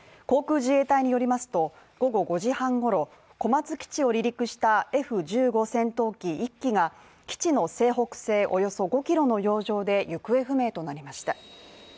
航空自衛隊によりますと、午後５時半ごろ、小松基地を離陸したＦ−１５戦闘機１機が基地の西北西およそ５キロの洋上で行方不明となりました。